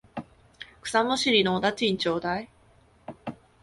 草むしりのお駄賃ちょうだい。